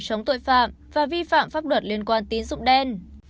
chống tội phạm và vi phạm pháp luật liên quan tín dụng đen